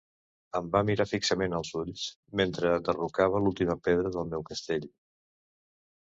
Em va mirar fixament als ulls, mentre derrocava l'última pedra del meu castell...